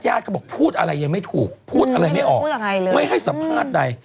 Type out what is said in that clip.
เขาบอกพูดอะไรยังไม่ถูกพูดอะไรไม่ออกไม่ให้สัมภาษณ์ใด